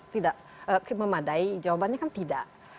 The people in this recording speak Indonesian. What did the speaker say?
tidak memadai jawabannya kan tidak